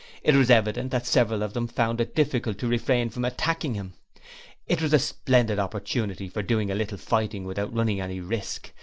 It was evident that several of them found it difficult to refrain from attacking him. It was a splendid opportunity of doing a little fighting without running any risks.